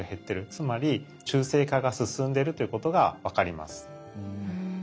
つまり中性化が進んでるということが分かります。